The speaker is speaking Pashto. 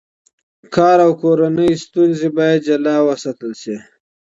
کار او کورنۍ ستونزې باید جلا وساتل شي.